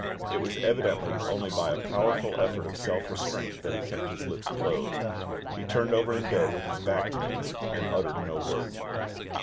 It was evidently only by a powerful effort of self restraint that he kept his lips closed. He turned over in bed with his back to me, and uttered no word.